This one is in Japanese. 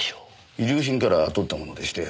遺留品から採ったものでして。